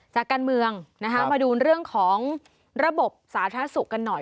จากการเมืองนะคะมาดูเรื่องของระบบสาธารณสุขกันหน่อย